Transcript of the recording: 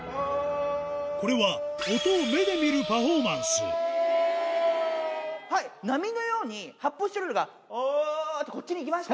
これは、音を目で見るパフォーマはい、波のように発泡スチロールが、あーってこっちに行きました。